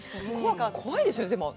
怖いですよ、でも。